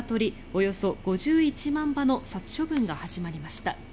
およそ５１万羽の殺処分が始まりました。